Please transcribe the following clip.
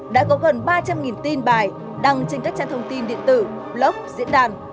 đã có gần ba trăm linh tin bài đăng trên các trang thông tin điện tử blog diễn đàn